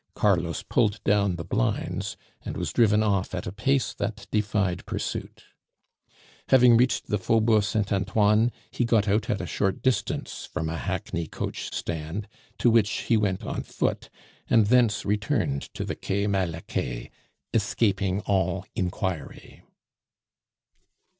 Carlos pulled down the blinds, and was driven off at a pace that defied pursuit. Having reached the Faubourg Saint Antoine, he got out at a short distance from a hackney coach stand, to which he went on foot, and thence returned to the Quai Malaquais, escaping all inquiry.